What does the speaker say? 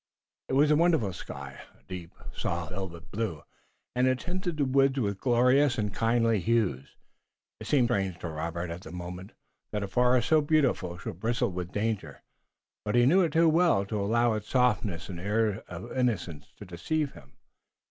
It was a wonderful sky, a deep, soft, velvet blue, and it tinted the woods with glorious and kindly hues. It seemed strange to Robert, at the moment, that a forest so beautiful should bristle with danger, but he knew it too well to allow its softness and air of innocence to deceive him.